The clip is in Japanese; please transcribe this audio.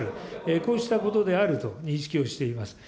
こうしたことであると認識をしています。